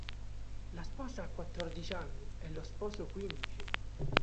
La sposa ha quattordici anni e lo sposo quindici.